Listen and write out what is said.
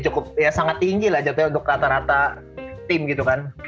cukup ya sangat tinggi lah jatuhnya untuk rata rata tim gitu kan